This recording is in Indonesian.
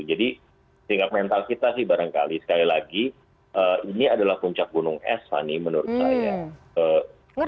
jadi sikap mental kita sih barangkali sekali lagi ini adalah puncak gunung es fani menurut saya